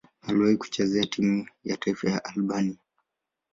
Aliwahi kucheza timu ya taifa ya Albania.